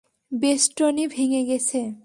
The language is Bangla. বেষ্টনী ভেঙে গেছে!